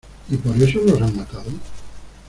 ¿ y por eso los han matado?